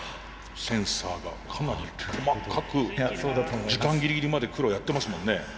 センサーがかなり細かく時間ギリギリまで黒やってますもんね。